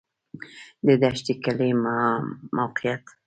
د دشټي کلی موقعیت